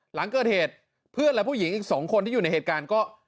หลังเกิดเหตุเพื่อนและผู้หญิงอีก๒คนที่อยู่ในเหตุการณ์ก็